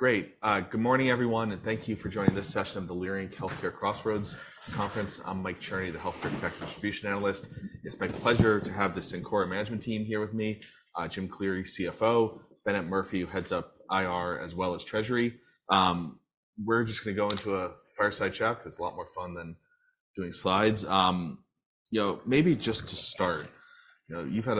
Great. Good morning, everyone, and thank you for joining this session of the Leerink Healthcare Crossroads Conference. I'm Mike Cherney, the healthcare tech distribution analyst. It's my pleasure to have the Cencora management team here with me. Jim Cleary, CFO, Bennett Murphy, who heads up IR as well as Treasury. We're just gonna go into a fireside chat. It's a lot more fun than doing slides. You know, maybe just to start, you know, you've had,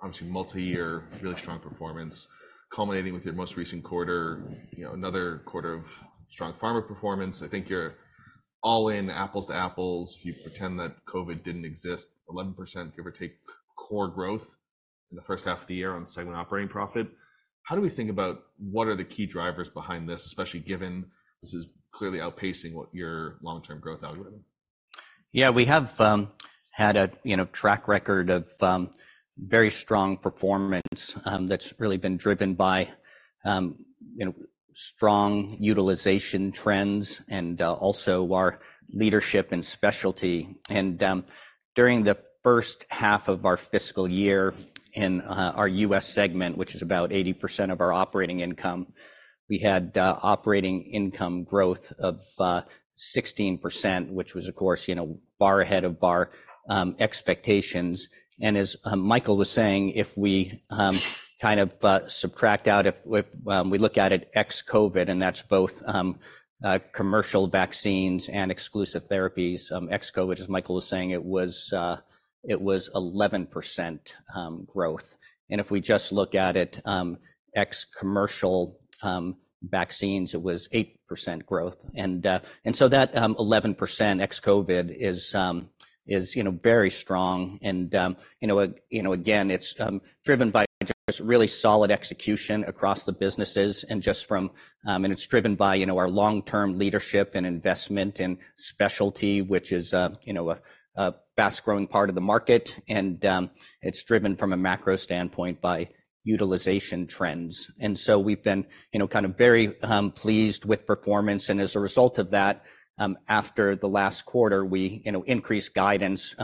obviously, multi-year, really strong performance, culminating with your most recent quarter, you know, another quarter of strong pharma performance. I think you're all in, apples to apples, if you pretend that COVID didn't exist, 11%, give or take, core growth in the first half of the year on segment operating profit. How do we think about what are the key drivers behind this, especially given this is clearly outpacing what your long-term growth value is? Yeah, we have had a, you know, track record of very strong performance that's really been driven by, you know, strong utilization trends and also our leadership and specialty. During the first half of our fiscal year in our U.S. segment, which is about 80% of our operating income, we had operating income growth of 16%, which was, of course, you know, far ahead of our expectations. And as Michael was saying, if we kind of subtract out, we look at it ex-COVID, and that's both commercial vaccines and exclusive therapies, ex COVID, as Michael was saying, it was 11% growth. And if we just look at it ex commercial vaccines, it was 8% growth. And so that 11% ex-COVID is, you know, very strong, and, you know, again, it's driven by just really solid execution across the businesses. And it's driven by, you know, our long-term leadership and investment in specialty, which is, you know, a fast-growing part of the market, and, it's driven from a macro standpoint by utilization trends. And so we've been, you know, kind of very pleased with performance. As a result of that, after the last quarter, we, you know, increased guidance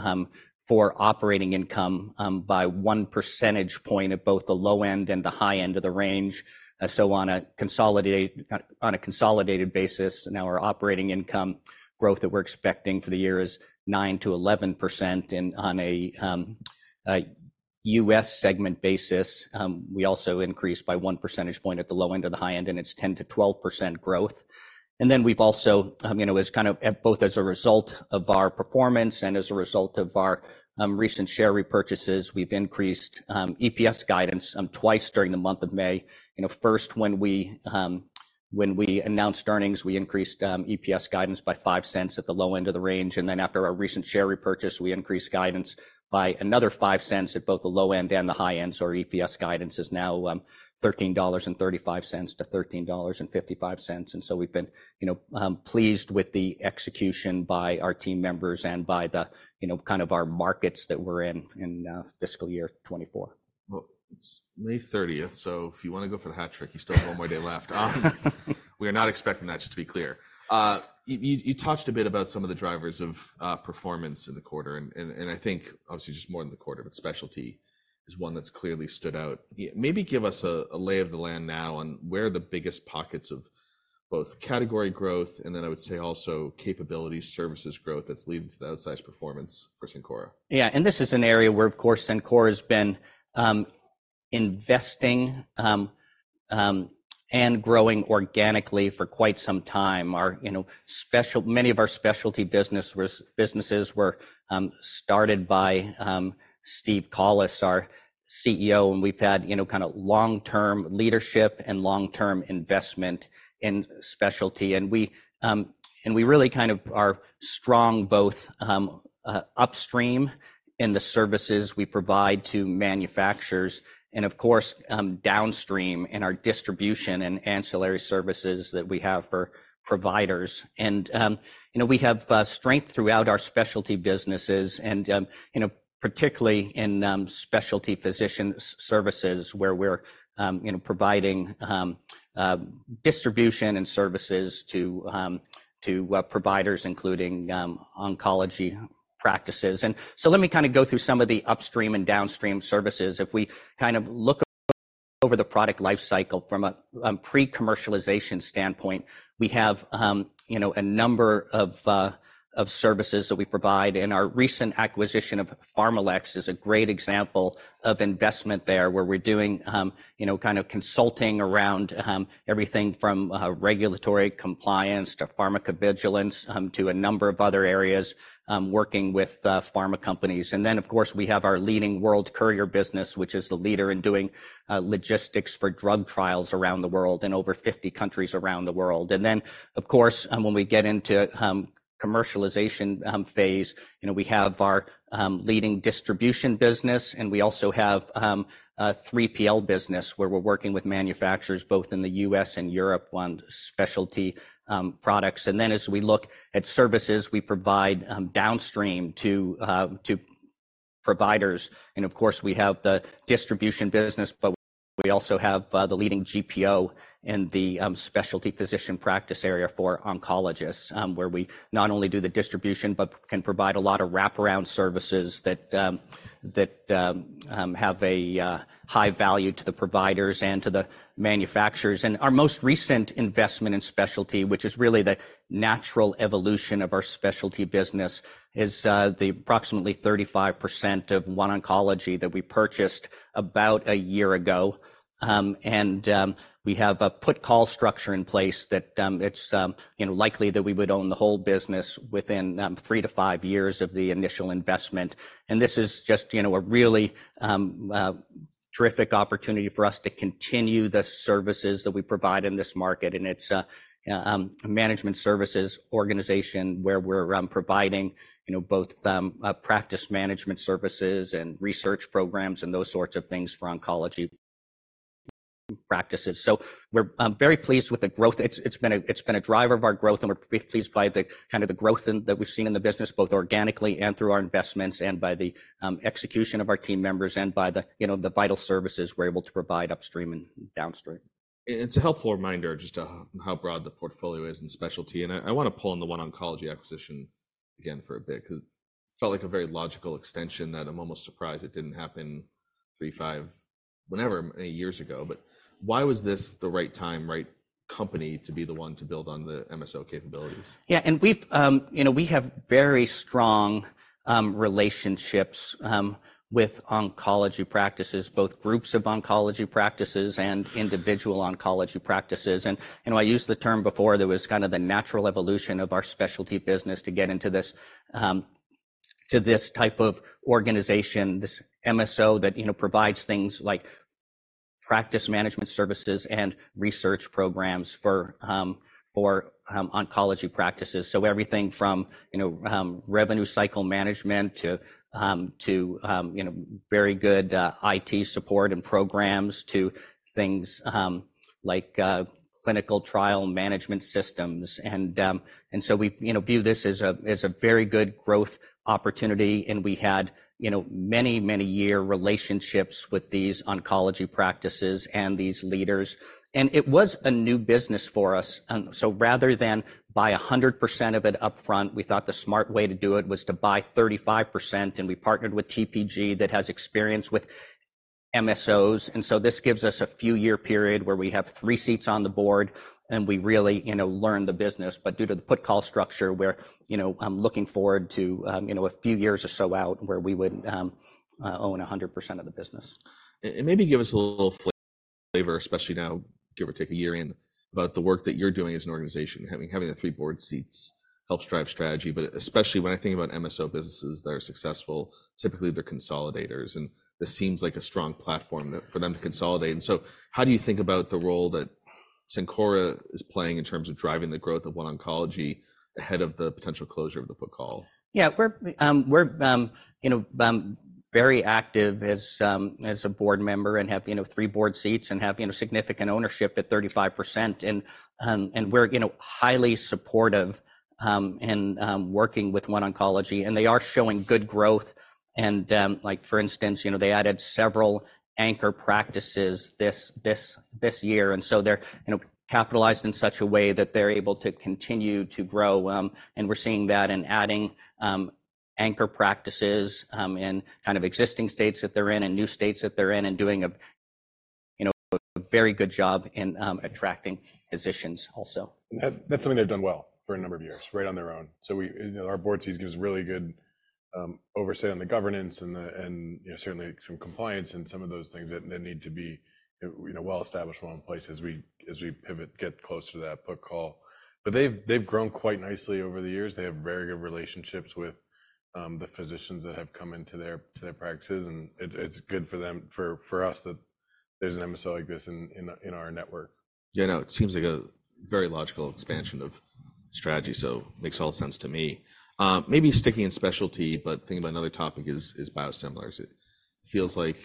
for operating income by one percentage point at both the low end and the high end of the range. So on a consolidated basis, now our operating income growth that we're expecting for the year is 9%-11%, and on a U.S. segment basis, we also increased by one percentage point at the low end or the high end, and it's 10%-12% growth. And then we've also, you know, as kind of, both as a result of our performance and as a result of our recent share repurchases, we've increased EPS guidance twice during the month of May. You know, first, when we announced earnings, we increased EPS guidance by $0.05 at the low end of the range, and then after our recent share repurchase, we increased guidance by another $0.05 at both the low end and the high end. So our EPS guidance is now $13.35-$13.55, and so we've been, you know, pleased with the execution by our team members and by the, you know, kind of our markets that we're in, in fiscal year 2024. Well, it's May 30th, so if you wanna go for the hat trick, you still have one more day left. We are not expecting that, just to be clear. You touched a bit about some of the drivers of performance in the quarter, and I think obviously just more than the quarter, but specialty is one that's clearly stood out. Yeah, maybe give us a lay of the land now on where are the biggest pockets of both category growth and then I would say also capability services growth that's leading to the outsized performance for Cencora. Yeah, and this is an area where, of course, Cencora has been investing and growing organically for quite some time. Our, you know, many of our specialty businesses were started by Steve Collis, our CEO, and we've had, you know, kinda long-term leadership and long-term investment in specialty. And we really kind of are strong both upstream in the services we provide to manufacturers and, of course, downstream in our distribution and ancillary services that we have for providers. And, you know, we have strength throughout our specialty businesses and, you know, particularly in specialty physician services, where we're, you know, providing distribution and services to providers, including oncology practices. And so let me kinda go through some of the upstream and downstream services. If we kind of look over the product life cycle from a pre-commercialization standpoint, we have, you know, a number of services that we provide, and our recent acquisition of PharmaLex is a great example of investment there, where we're doing, you know, kind of consulting around, everything from, regulatory compliance to pharmacovigilance, to a number of other areas, working with, pharma companies. And then, of course, we have our leading World Courier business, which is the leader in doing, logistics for drug trials around the world, in over 50 countries around the world. And then, of course, when we get into, commercialization, phase, you know, we have our, leading distribution business, and we also have, a 3PL business, where we're working with manufacturers both in the U.S. and Europe on specialty, products. And then as we look at services we provide, downstream to providers, and of course, we have the distribution business, but we also have the leading GPO in the specialty physician practice area for oncologists. Where we not only do the distribution but can provide a lot of wraparound services that have a high value to the providers and to the manufacturers. And our most recent investment in specialty, which is really the natural evolution of our specialty business, is the approximately 35% of OneOncology that we purchased about a year ago. And we have a put call structure in place that it's you know likely that we would own the whole business within 3-5 years of the initial investment. And this is just, you know, a really terrific opportunity for us to continue the services that we provide in this market. And it's a management services organization where we're providing, you know, both practice management services and research programs and those sorts of things for oncology practices. So we're very pleased with the growth. It's been a driver of our growth, and we're very pleased by the kind of growth that we've seen in the business, both organically and through our investments, and by the execution of our team members, and by the, you know, the vital services we're able to provide upstream and downstream. It's a helpful reminder just of how broad the portfolio is in specialty. And I, I wanna pull on the OneOncology acquisition again for a bit, 'cause it felt like a very logical extension that I'm almost surprised it didn't happen three, five, whenever, many years ago. But why was this the right time, right company, to be the one to build on the MSO capabilities? Yeah, and we've, you know, we have very strong relationships with oncology practices, both groups of oncology practices and individual oncology practices. And, you know, I used the term before, there was kind of the natural evolution of our specialty business to get into this, to this type of organization, this MSO that, you know, provides things like practice management services and research programs for, for, oncology practices. So everything from, you know, revenue cycle management to, to, you know, very good IT support and programs, to things, like, clinical trial management systems. And, and so we, you know, view this as a, as a very good growth opportunity, and we had, you know, many, many year relationships with these oncology practices and these leaders. It was a new business for us, and so rather than buy 100% of it upfront, we thought the smart way to do it was to buy 35%, and we partnered with TPG that has experience with MSOs. And so this gives us a few year period where we have three seats on the board, and we really, you know, learn the business. But due to the put call structure, we're, you know, looking forward to, you know, a few years or so out where we would own 100% of the business. Maybe give us a little flavor, especially now, give or take a year in, about the work that you're doing as an organization. Having the three board seats helps drive strategy, but especially when I think about MSO businesses that are successful, typically they're consolidators, and this seems like a strong platform for them to consolidate. So how do you think about the role that Cencora is playing in terms of driving the growth of OneOncology ahead of the potential closure of the put call? Yeah, we're you know very active as a board member and have you know three board seats and have you know significant ownership at 35%. And we're you know highly supportive in working with OneOncology, and they are showing good growth. And like for instance you know they added several anchor practices this year, and so they're you know capitalized in such a way that they're able to continue to grow. And we're seeing that in adding anchor practices in kind of existing states that they're in and new states that they're in, and doing a you know a very good job in attracting physicians also. That, that's something they've done well for a number of years, right on their own. So we... You know, our board seat gives really good oversight on the governance and, you know, certainly some compliance and some of those things that need to be, you know, well established, well in place as we pivot, get closer to that put call. But they've grown quite nicely over the years. They have very good relationships with the physicians that have come into their practices, and it's good for them, for us, that there's an MSO like this in our network. Yeah, no, it seems like a very logical expansion of strategy, so makes a lot of sense to me. Maybe sticking in specialty, but thinking about another topic is biosimilars. It feels like,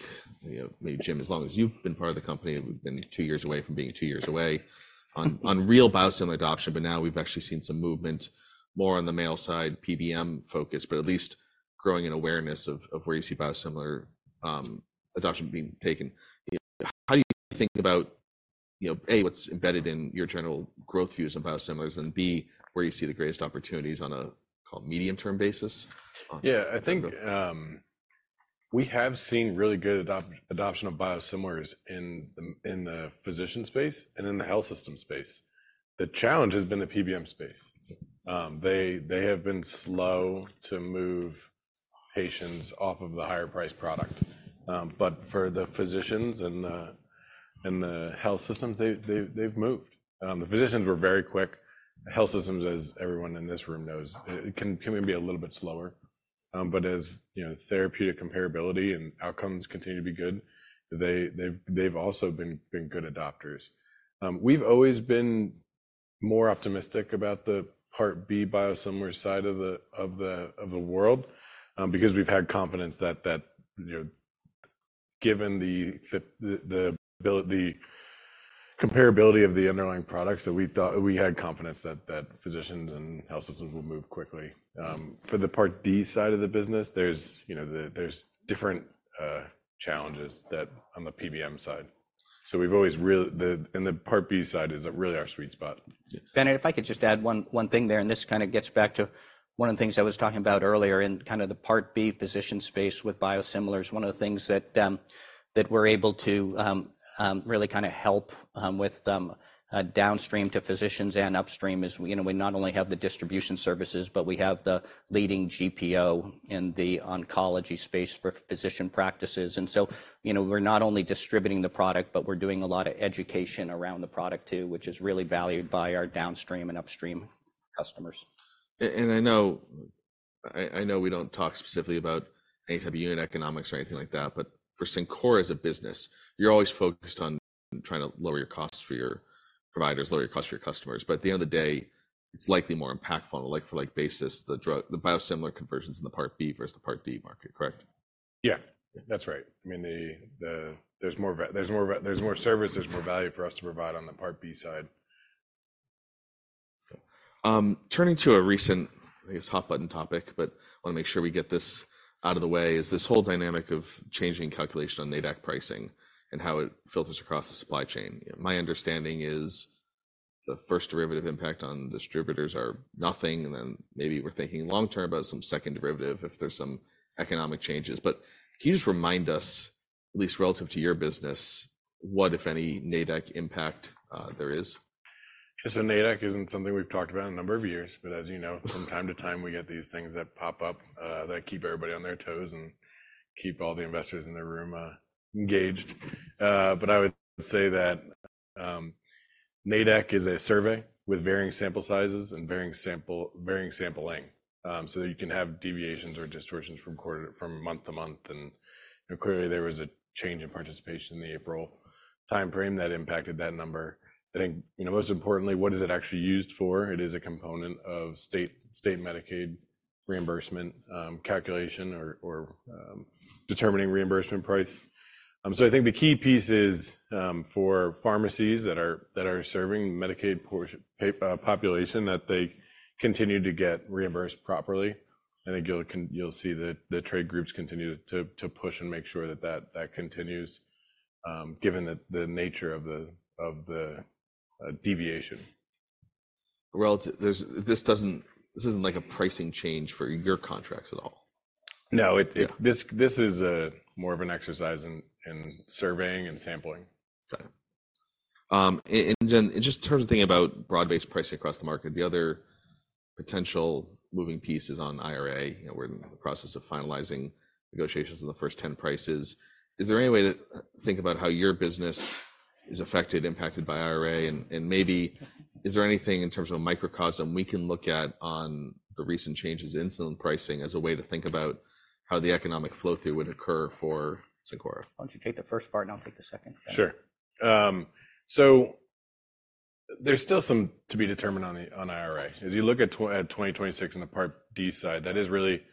you know, maybe, Jim, as long as you've been part of the company, we've been two years away from being two years away from real biosimilar adoption, but now we've actually seen some movement, more on the mail side, PBM focus, but at least growing an awareness of where you see biosimilar adoption being taken. How do you think about, you know, A, what's embedded in your general growth views in biosimilars, and B, where you see the greatest opportunities on an overall medium-term basis on- Yeah, I think we have seen really good adoption of biosimilars in the physician space and in the health system space. The challenge has been the PBM space. They have been slow to move patients off of the higher price product. But for the physicians and the health systems, they've moved. The physicians were very quick. Health systems, as everyone in this room knows, it can be a little bit slower. But as you know, therapeutic comparability and outcomes continue to be good, they've also been good adopters. We've always been more optimistic about the Part B biosimilar side of the world because we've had confidence that you know-... Given the ability, the comparability of the underlying products that we thought we had confidence that physicians and health systems will move quickly. For the Part D side of the business, there's, you know, different challenges that on the PBM side. So we've always really, and the Part B side is really our sweet spot. Bennett, if I could just add one thing there, and this kind of gets back to one of the things I was talking about earlier in kind of the Part B physician space with biosimilars. One of the things that we're able to really kind of help with downstream to physicians and upstream is, you know, we not only have the distribution services, but we have the leading GPO in the oncology space for physician practices. And so, you know, we're not only distributing the product, but we're doing a lot of education around the product, too, which is really valued by our downstream and upstream customers. And I know, I know we don't talk specifically about ASP economics or anything like that, but for Cencora as a business, you're always focused on trying to lower your costs for your providers, lower your costs for your customers. But at the end of the day, it's likely more impactful, like, for, like, basis, the drug, the biosimilar conversions in the Part B versus the Part D market, correct? Yeah, that's right. I mean, there's more service, there's more value for us to provide on the Part B side. Turning to a recent, I guess, hot-button topic, but want to make sure we get this out of the way, is this whole dynamic of changing calculation on NADAC pricing and how it filters across the supply chain. My understanding is the first derivative impact on distributors are nothing, and then maybe we're thinking long term about some second derivative if there's some economic changes. But can you just remind us, at least relative to your business, what, if any, NADAC impact there is? So NADAC isn't something we've talked about in a number of years, but as you know, from time to time, we get these things that pop up that keep everybody on their toes and keep all the investors in the room engaged. But I would say that NADAC is a survey with varying sample sizes and varying sample, varying sampling. So you can have deviations or distortions from quarter, from month to month, and clearly, there was a change in participation in the April timeframe that impacted that number. I think, you know, most importantly, what is it actually used for? It is a component of state Medicaid reimbursement calculation or determining reimbursement price. So I think the key piece is for pharmacies that are serving Medicaid population, that they continue to get reimbursed properly. I think you'll see the trade groups continue to push and make sure that that continues, given the nature of the deviation. Relatively, this doesn't, this isn't like a pricing change for your contracts at all? No, it- Yeah. This is more of an exercise in surveying and sampling. Got it. And just in terms of thinking about broad-based pricing across the market, the other potential moving piece is on IRA. You know, we're in the process of finalizing negotiations on the first 10 prices. Is there any way to think about how your business is affected, impacted by IRA? And maybe is there anything in terms of a microcosm we can look at on the recent changes in insulin pricing as a way to think about how the economic flow-through would occur for Cencora? Why don't you take the first part, and I'll take the second? Sure. So there's still some to be determined on the, on IRA. As you look at 2026 and the Part D side, that is really,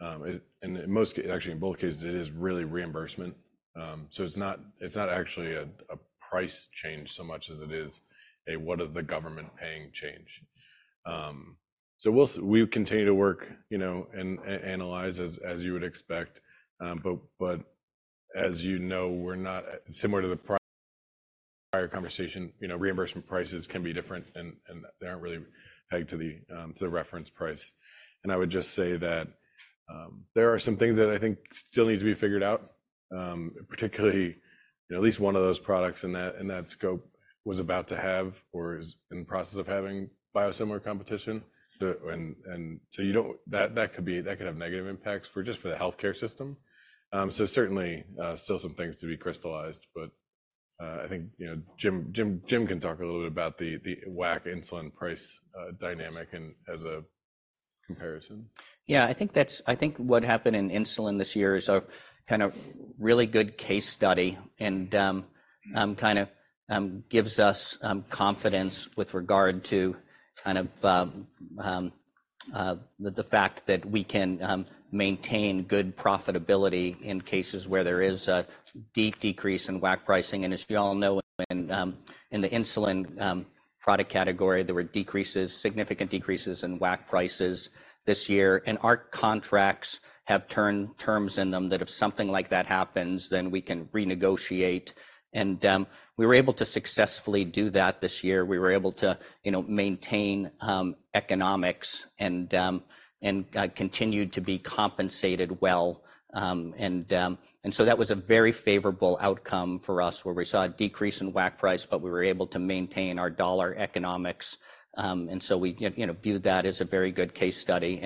and in most actually in both cases, it is really reimbursement. So it's not, it's not actually a, a price change so much as it is a what is the government paying change. So we'll continue to work, you know, and analyze as, as you would expect. But as you know, we're not... similar to the prior conversation, you know, reimbursement prices can be different, and, and they aren't really pegged to the, to the reference price. And I would just say that, there are some things that I think still need to be figured out, particularly, at least one of those products in that scope was about to have or is in the process of having biosimilar competition. So and so you don't-- that could be, that could have negative impacts for just for the healthcare system. So certainly, still some things to be crystallized, but, I think, you know, Jim can talk a little bit about the WAC insulin price dynamic and as a comparison. Yeah, I think what happened in insulin this year is a kind of really good case study and kind of the fact that we can maintain good profitability in cases where there is a deep decrease in WAC pricing. And as we all know, in the insulin product category, there were decreases, significant decreases in WAC prices this year, and our contracts have certain terms in them that if something like that happens, then we can renegotiate. And we were able to successfully do that this year. We were able to, you know, maintain economics and continued to be compensated well. So that was a very favorable outcome for us, where we saw a decrease in WAC price, but we were able to maintain our dollar economics. We, you know, view that as a very good case study.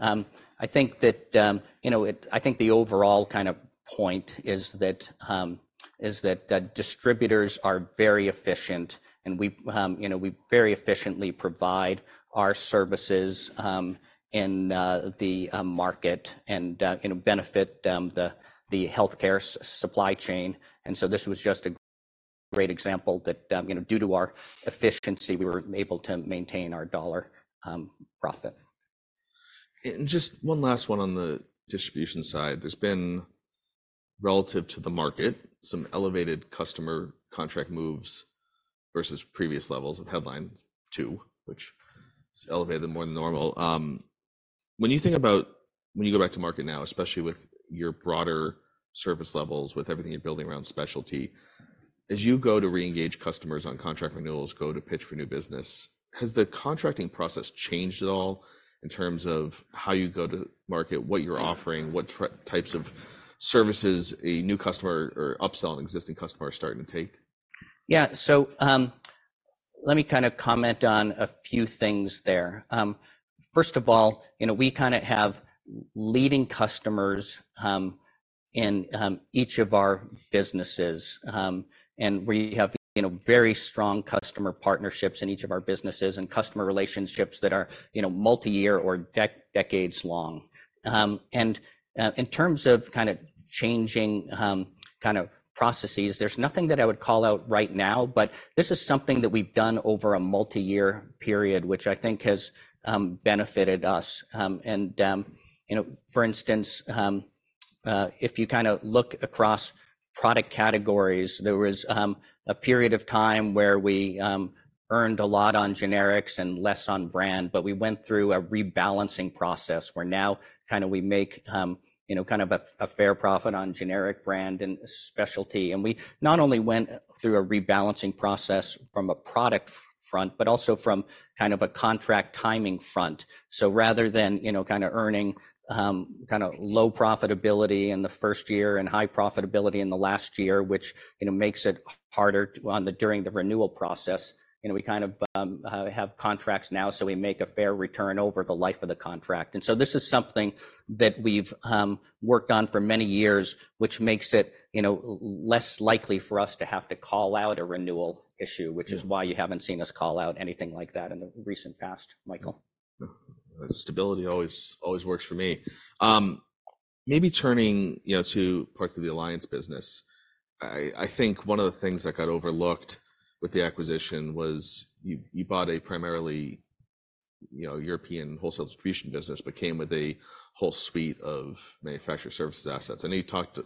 I think the overall kind of point is that distributors are very efficient, and we, you know, very efficiently provide our services in the market and, you know, benefit the healthcare supply chain. This was just a great example that, you know, due to our efficiency, we were able to maintain our dollar profit.... Just one last one on the distribution side. There's been, relative to the market, some elevated customer contract moves versus previous levels of headline two, which is elevated more than normal. When you think about when you go back to market now, especially with your broader service levels, with everything you're building around specialty, as you go to reengage customers on contract renewals, go to pitch for new business, has the contracting process changed at all in terms of how you go to market, what you're offering, what types of services a new customer or upselling existing customer are starting to take? Yeah. So, let me kind of comment on a few things there. First of all, you know, we kind of have leading customers in each of our businesses. And we have, you know, very strong customer partnerships in each of our businesses, and customer relationships that are, you know, multi-year or decades long. In terms of kind of changing kind of processes, there's nothing that I would call out right now, but this is something that we've done over a multi-year period, which I think has benefited us. And, you know, for instance, if you kind of look across product categories, there was a period of time where we earned a lot on generics and less on brand, but we went through a rebalancing process, where now kind of we make, you know, kind of a fair profit on generic brand and specialty. And we not only went through a rebalancing process from a product front, but also from kind of a contract timing front. So rather than, you know, kind of earning kind of low profitability in the first year and high profitability in the last year, which, you know, makes it harder to... on the, during the renewal process, you know, we kind of have contracts now, so we make a fair return over the life of the contract. And so this is something that we've worked on for many years, which makes it, you know, less likely for us to have to call out a renewal issue, which is why you haven't seen us call out anything like that in the recent past, Michael. Stability always, always works for me. Maybe turning, you know, to parts of the Alliance business. I think one of the things that got overlooked with the acquisition was you bought a primarily, you know, European wholesale distribution business, but came with a whole suite of manufacturer services assets. I know you talked about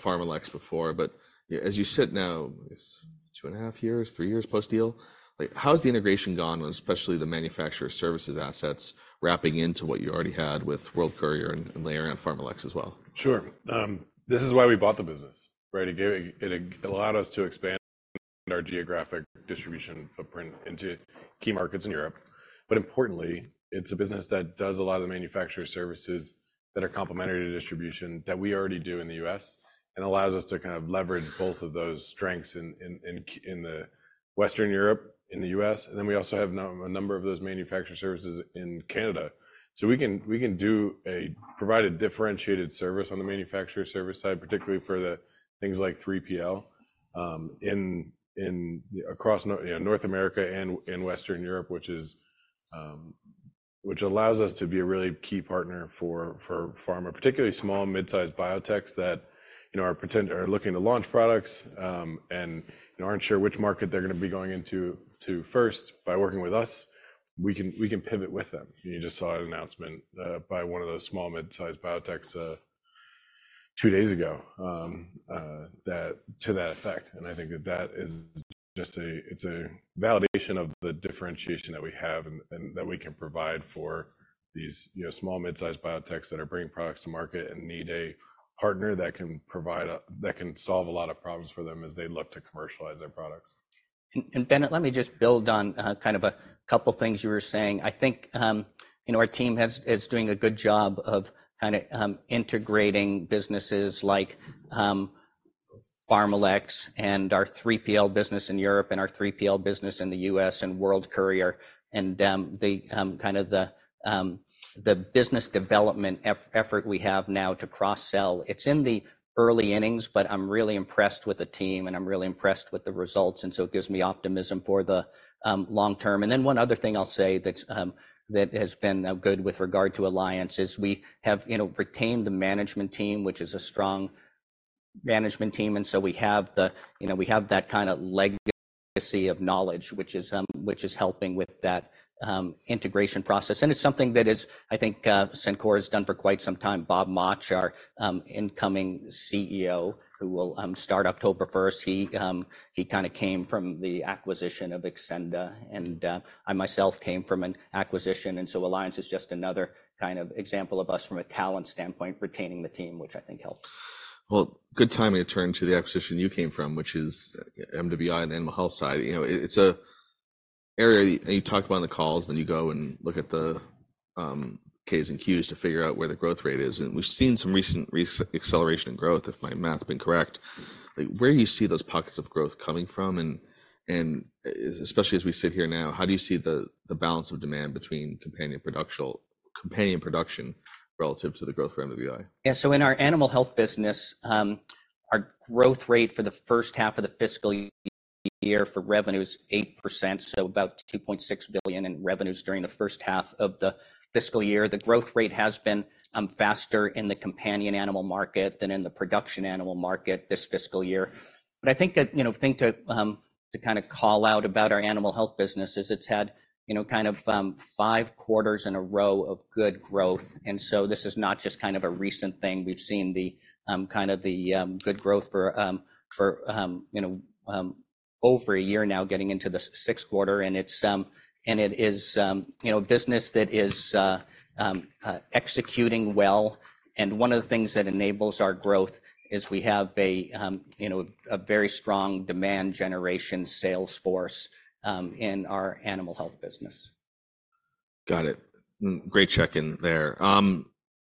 PharmaLex before, but as you sit now, it's two and a half years, three years post-deal, like, how has the integration gone, with especially the manufacturer services assets wrapping into what you already had with World Courier and Layer and PharmaLex as well? Sure. This is why we bought the business, right? It allowed us to expand our geographic distribution footprint into key markets in Europe. But importantly, it's a business that does a lot of the manufacturer services that are complementary to distribution that we already do in the U.S., and allows us to kind of leverage both of those strengths in the Western Europe, in the U.S. And then we also have a number of those manufacturer services in Canada. So we can do a... Provide a differentiated service on the manufacturer service side, particularly for the things like 3PL, in across North, you know, North America and Western Europe, which allows us to be a really key partner for pharma, particularly small and mid-sized biotechs that, you know, are looking to launch products, and aren't sure which market they're going to be going into first. By working with us, we can pivot with them. You just saw an announcement by one of those small mid-sized biotechs two days ago, that to that effect. I think that that is just it's a validation of the differentiation that we have and, and that we can provide for these, you know, small mid-sized biotechs that are bringing products to market and need a partner that can provide that can solve a lot of problems for them as they look to commercialize their products. And Bennett, let me just build on, kind of a couple things you were saying. I think, you know, our team is doing a good job of kind of, integrating businesses like, PharmaLex and our 3PL business in Europe, and our 3PL business in the U.S., and World Courier, and the business development effort we have now to cross-sell. It's in the early innings, but I'm really impressed with the team, and I'm really impressed with the results, and so it gives me optimism for the long term. And then one other thing I'll say that has been good with regard to Alliance is we have, you know, retained the management team, which is a strong management team. And so we have the- you know, we have that kind of legacy of knowledge, which is, which is helping with that, integration process. And it's something that is, I think, Cencora has done for quite some time. Bob Mauch, our, incoming CEO, who will, start October first, he, he kind of came from the acquisition of Xcenda, and, I myself came from an acquisition. And so Alliance is just another kind of example of us from a talent standpoint, retaining the team, which I think helps. Well, good timing to turn to the acquisition you came from, which is MWI Animal Health side. You know, it's an area, and you talked about on the calls, and you go and look at the K's and Q's to figure out where the growth rate is, and we've seen some recent acceleration in growth, if my math's been correct. Like, where do you see those pockets of growth coming from? And especially as we sit here now, how do you see the balance of demand between companion productional-companion production relative to the growth rate of MWI? Yeah. So in our animal health business, our growth rate for the first half of the fiscal year for revenue is 8%, so about $2.6 billion in revenues during the first half of the fiscal year. The growth rate has been faster in the companion animal market than in the production animal market this fiscal year. But I think that, you know, thing to to kind of call out about our animal health business is it's had, you know, kind of five quarters in a row of good growth. And so this is not just kind of a recent thing. We've seen the kind of the good growth for for you know over a year now, getting into the sixth quarter, and it's. It is, you know, business that is executing well. One of the things that enables our growth is we have a, you know, a very strong demand generation sales force in our animal health business. Got it. Great check-in there. You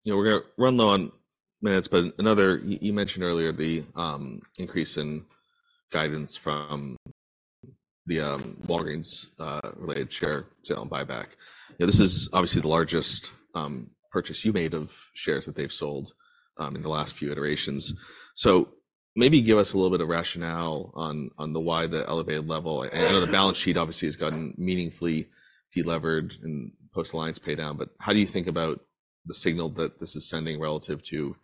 know, we're gonna run low on minutes, but another. You mentioned earlier the increase in guidance from the Walgreens related share sale buyback. You know, this is obviously the largest purchase you made of shares that they've sold in the last few iterations. So maybe give us a little bit of rationale on the why the elevated level. I know the balance sheet obviously has gotten meaningfully de-levered in post-alliance pay down, but how do you think about the signal that this is sending relative to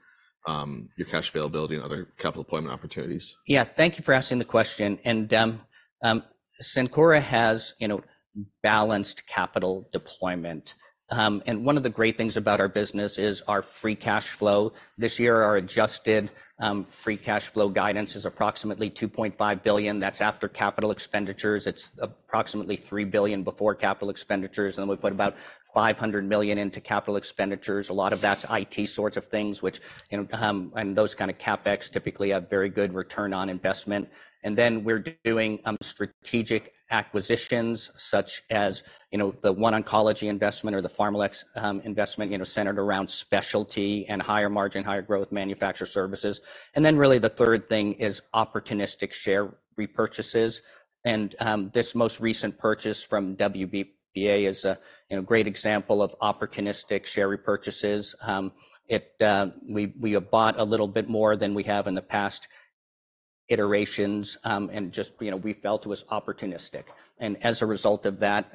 your cash availability and other capital deployment opportunities? Yeah, thank you for asking the question. And, Cencora has, you know, balanced capital deployment. And one of the great things about our business is our free cash flow. This year, our adjusted free cash flow guidance is approximately $2.5 billion. That's after capital expenditures. It's approximately $3 billion before capital expenditures, and then we put about $500 million into capital expenditures. A lot of that's IT sorts of things, which, you know, and those kind of CapEx typically have very good return on investment. And then we're doing strategic acquisitions, such as, you know, the OneOncology investment or the PharmaLex investment, you know, centered around specialty and higher margin, higher growth manufacturer services. And then really the third thing is opportunistic share repurchases. And, this most recent purchase from WBA is a, you know, great example of opportunistic share repurchases. It. We have bought a little bit more than we have in the past iterations, and just, you know, we felt it was opportunistic. And as a result of that,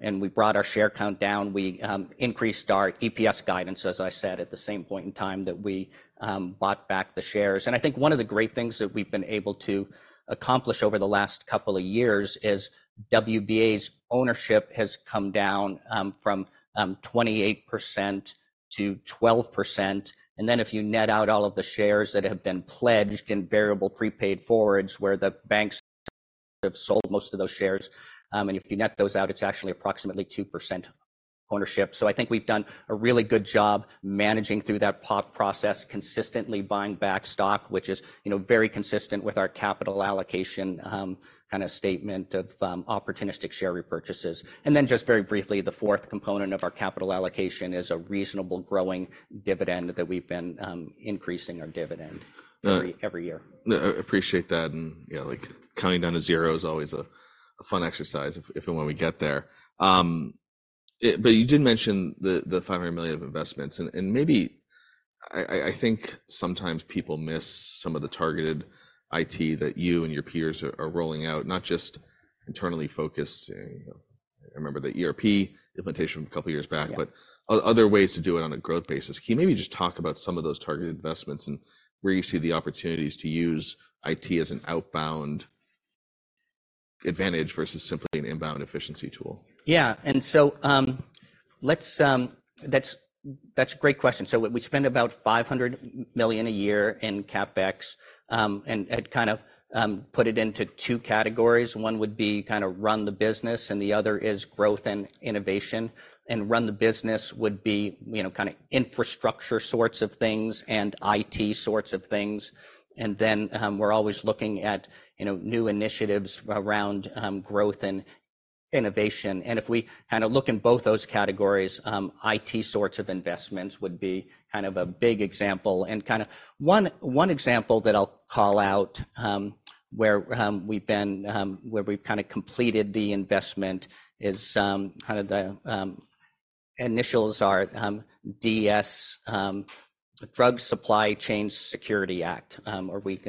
and we brought our share count down, we increased our EPS guidance, as I said, at the same point in time that we bought back the shares. And I think one of the great things that we've been able to accomplish over the last couple of years is WBA's ownership has come down, from 28% to 12%. If you net out all of the shares that have been pledged in variable prepaid forwards, where the banks have sold most of those shares, and if you net those out, it's actually approximately 2% ownership. I think we've done a really good job managing through that process, consistently buying back stock, which is, you know, very consistent with our capital allocation, kinda statement of opportunistic share repurchases. Just very briefly, the fourth component of our capital allocation is a reasonable growing dividend, that we've been increasing our dividend every year. I appreciate that, and, you know, like, counting down to zero is always a fun exercise if and when we get there. But you did mention the $500 million of investments, and maybe I think sometimes people miss some of the targeted IT that you and your peers are rolling out, not just internally focused. You know, I remember the ERP implementation a couple years back. Yeah But other ways to do it on a growth basis. Can you maybe just talk about some of those targeted investments and where you see the opportunities to use IT as an outbound advantage versus simply an inbound efficiency tool? Yeah. And so, that's a great question. So we spend about $500 million a year in CapEx, and I'd kind of put it into two categories. One would be kind of run the business, and the other is growth and innovation. Run the business would be, you know, kind of infrastructure sorts of things and IT sorts of things. Then, we're always looking at, you know, new initiatives around growth and innovation. And if we kind of look in both those categories, IT sorts of investments would be kind of a big example. One example that I'll call out, where we've kind of completed the investment is, kind of the initials are, DS, Drug Supply Chain Security Act, or we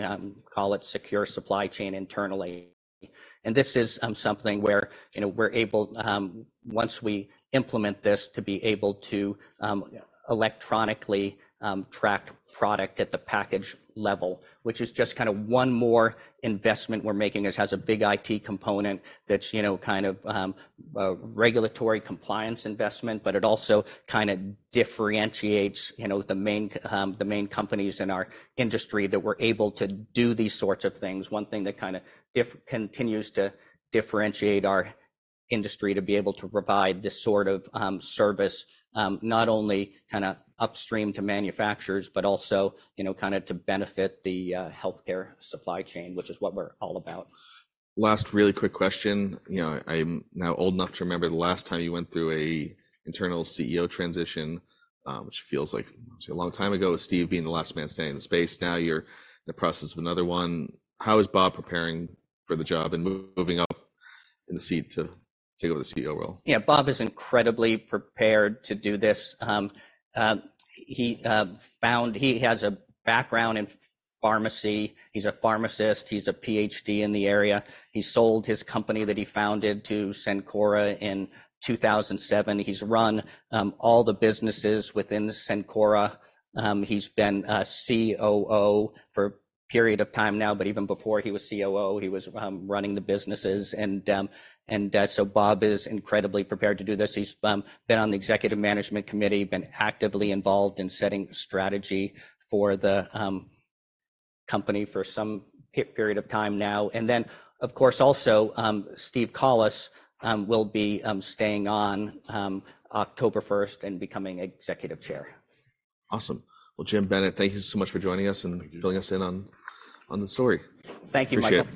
call it secure supply chain internally. And this is, something where, you know, we're able, once we implement this, to be able to, electronically, track product at the package level, which is just kind of one more investment we're making. It has a big IT component that's, you know, kind of, a regulatory compliance investment, but it also kind of differentiates, you know, the main companies in our industry that we're able to do these sorts of things. One thing that kind of continues to differentiate our industry to be able to provide this sort of service, not only kind of upstream to manufacturers, but also, you know, kind of to benefit the healthcare supply chain, which is what we're all about. Last really quick question. You know, I'm now old enough to remember the last time you went through an internal CEO transition, which feels like a long time ago, with Steve being the last man standing in the space. Now you're in the process of another one. How is Bob preparing for the job and moving up in the seat to take over the CEO role? Yeah, Bob is incredibly prepared to do this. He has a background in pharmacy. He's a pharmacist. He's a PhD in the area. He sold his company that he founded to Cencora in 2007. He's run all the businesses within Cencora. He's been COO for a period of time now, but even before he was COO, he was running the businesses. And so Bob is incredibly prepared to do this. He's been on the executive management committee, been actively involved in setting strategy for the company for some period of time now. And then, of course, also, Steve Collis will be staying on October 1st, and becoming executive chair. Awesome. Well, Jim, Bennett, thank you so much for joining us and filling us in on the story. Thank you, Michael.